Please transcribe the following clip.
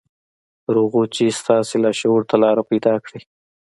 تر هغو چې ستاسې لاشعور ته لاره پيدا کړي.